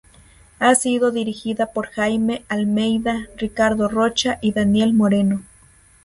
Ha sido dirigida por Jaime Almeida, Ricardo Rocha y Daniel Moreno.